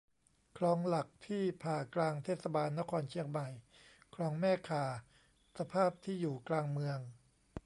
คลองหลักที่ผ่ากลางเทศบาลนครเชียงใหม่ คลองแม่ข่าสภาพที่อยู่กลางเมือง